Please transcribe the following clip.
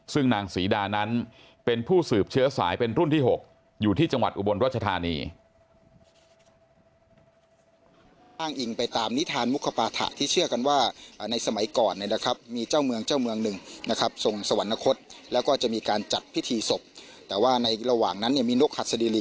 ซึ่งนางศรีดานั้นเป็นผู้สืบเชื้อสายเป็นรุ่นที่๖อยู่ที่จังหวัดอุบลรัชธานี